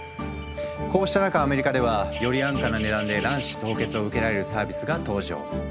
こうした中アメリカではより安価な値段で卵子凍結を受けられるサービスが登場。